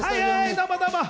どうもどうも。